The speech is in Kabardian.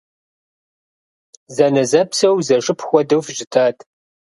Зэнэзэпсэу, зэшыпхъу хуэдэу фыщытат!